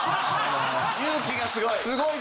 勇気がすごい。